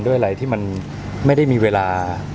ด้วยมันไม่ได้มีเวลา